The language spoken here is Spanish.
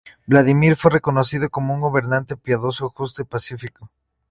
Vladimir fue reconocido como un gobernante piadoso, justo y pacífico.